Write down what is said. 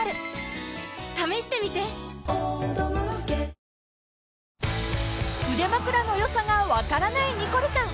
ニトリ［腕まくらの良さが分からないニコルさん］